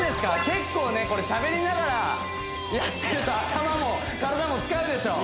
結構ねこれしゃべりながらやってると頭も体も疲れるでしょ？